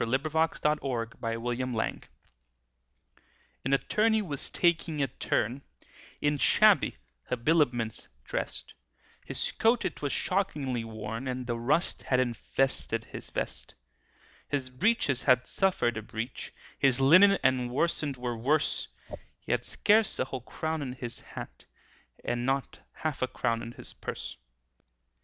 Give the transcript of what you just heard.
THE BRIEFLESS BARRISTER A BALLAD N Attorney was taking a turn, In shabby habiliments drest; His coat it was shockingly worn, And the rust had invested his vest. His breeches had suffered a breach, His linen and worsted were worse; He had scarce a whole crown in his hat, And not half a crown in his purse.